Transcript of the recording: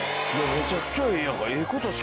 めちゃくちゃええやんか。